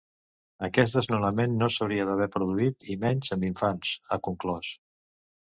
Aquest desnonament no s’hauria d’haver produït i menys amb infants, ha conclòs.